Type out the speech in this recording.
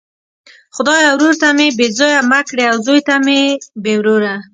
خدایه ورور ته مي بې زویه مه کړې او زوی ته بې وروره!